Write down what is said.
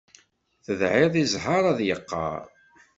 Tedɛiḍ i zzheṛ ad yeqqaṛ.